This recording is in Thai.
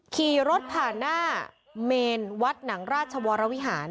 ขี่รถผ่านหน้าเมนวัดหนังราชวรวิหาร